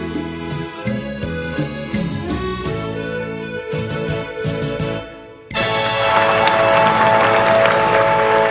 ตัวอยู่ห้องพื้นคอ